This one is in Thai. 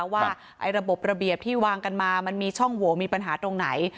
ว่าระบบระเบียบที่วางกันมามันมีช่องโหวมีปัญหาตรงไหน